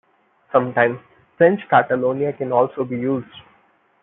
Sometimes French Catalonia can also be used.